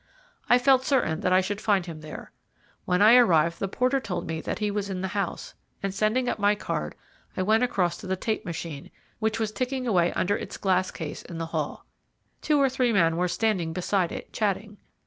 I felt certain that I should find him there. When I arrived the porter told me that he was in the house, and sending up my card, I went across to the tape machine, which was ticking away under its glass case in the hall. Two or three men were standing beside it, chatting.